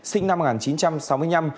sinh năm một nghìn chín trăm sáu mươi năm